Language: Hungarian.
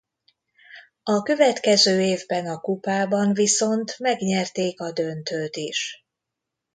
A következő évben a kupában viszont megnyerték a döntőt is.